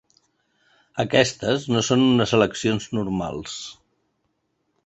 Aquestes no són unes eleccions normals.